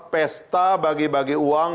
pesta bagi bagi uang